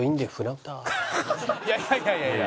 いやいやいやいやいや。